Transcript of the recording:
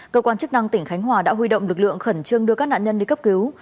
cơ quan chức năng tỉnh khánh hòa đã huy động lực lượng khẩn trương đưa các nạn nhân đi cấp cứu